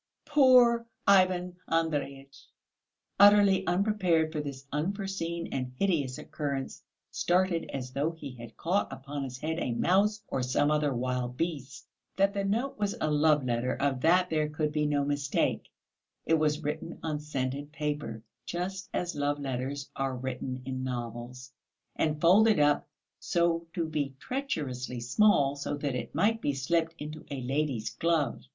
Poor Ivan Andreyitch, utterly unprepared for this unforeseen and hideous occurrence, started as though he had caught upon his head a mouse or some other wild beast. That the note was a love letter of that there could be no mistake. It was written on scented paper, just as love letters are written in novels, and folded up so as to be treacherously small so that it might be slipped into a lady's glove.